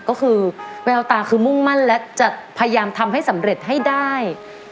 ก็คือแววตาคือมุ่งมั่นและจะพยายามทำให้สำเร็จให้ได้